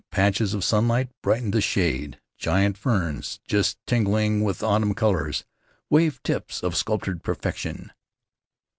Patches of sunlight brightened the shade. Giant ferns, just tinging with autumn colors, waved tips of sculptured perfection.